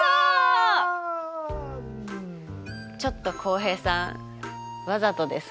ちょっと浩平さんわざとですか？